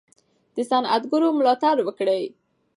د صنعتګرو ملاتړ وکړئ.